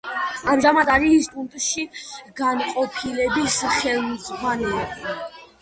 ამჟამად არის ინსტიტუტში განყოფილების ხელმძღვანელი.